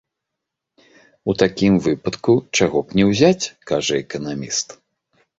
У такім выпадку чаго б не ўзяць, кажа эканаміст.